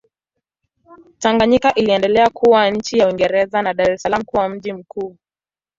Tanganyika iliendelea kuwa chini ya Uingereza na Dar es Salaam kuwa mji mkuu.